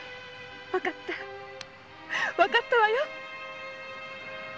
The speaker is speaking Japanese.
わかったわかったわよ！